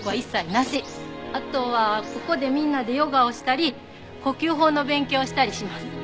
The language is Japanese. あとはここでみんなでヨガをしたり呼吸法の勉強をしたりします。